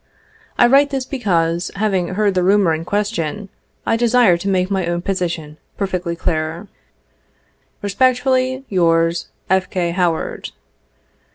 I write this because, having heard the rumor in question, I desire to make my own position per fectly clear. Respectfully, yours, "F. K. HOWAKD.